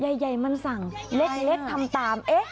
ใหญ่มันสั่งเล็กทำตาม